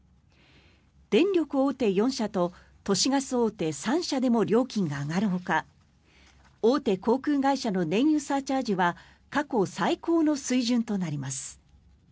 電力大手４社と都市ガス大手３社でも料金が上がるほか大手航空会社の燃油サーチャージは過去最高の水準となります。